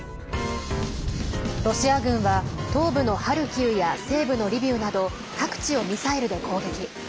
ロシア軍は、東部のハルキウや西部のリビウなど各地をミサイルで攻撃。